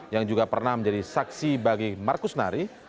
yang juga pernah menjadi saksi bagi markus nari